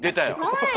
おい！